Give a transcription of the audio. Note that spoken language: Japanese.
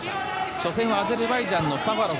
初戦はアゼルバイジャンのサファロフ。